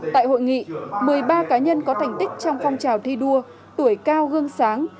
tại hội nghị một mươi ba cá nhân có thành tích trong phong trào thi đua tuổi cao gương sáng